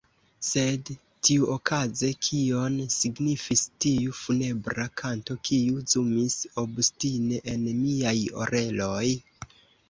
Sed, tiuokaze, kion signifis tiu funebra kanto, kiu zumis obstine en miaj oreloj?